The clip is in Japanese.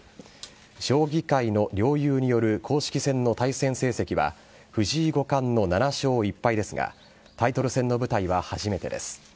将棋界の両雄による公式戦の対戦成績は、藤井五冠の７勝１敗ですが、タイトル戦の舞台は初めてです。